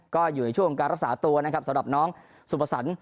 ก็อยู่ในช่วงการรักษาตัวนะครับสำหรับน้องสุภสรรค